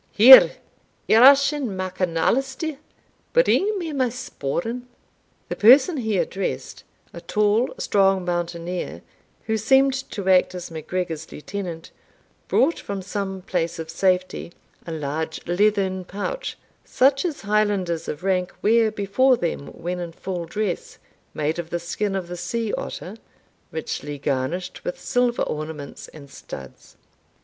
Here, Eachin MacAnaleister, bring me my sporran." The person he addressed, a tall, strong mountaineer, who seemed to act as MacGregor's lieutenant, brought from some place of safety a large leathern pouch, such as Highlanders of rank wear before them when in full dress, made of the skin of the sea otter, richly garnished with silver ornaments and studs.